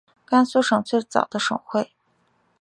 甘肃省最早的省会。